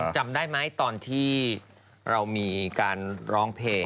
จำได้ไหมตอนที่เรามีการร้องเพลง